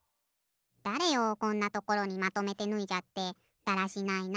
だれよこんなところにまとめてぬいじゃってだらしないな。